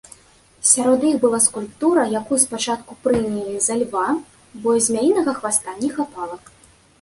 Сярод іх была скульптура, якую спачатку прынялі за льва, бо змяінага хваста не хапала.